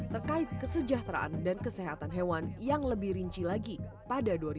terkait kesejahteraan dan kesehatan hewan yang lebih rinci lagi pada dua ribu dua puluh